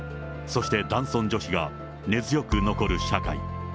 そして男尊女卑が根強く残る社会。